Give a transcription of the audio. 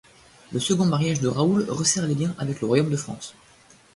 Le second mariage de Raoul resserre les liens avec le royaume de France.